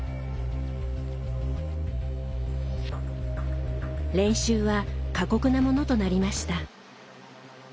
練習は過酷なものとなりました。